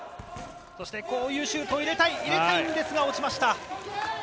こういうシュートを入れたいんですが落ちました。